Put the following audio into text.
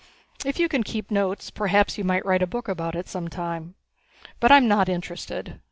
If you can keep notes perhaps you might write a book about it some time. But I'm not interested.